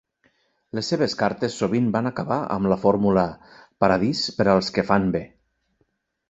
Les seves cartes sovint van acabar amb la fórmula "paradís per als que fan bé".